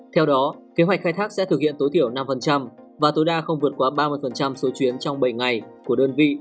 theo đó kế hoạch khai thác sẽ thực hiện tối thiểu năm và tối đa không vượt qua ba mươi số chuyến trong bảy ngày của đơn vị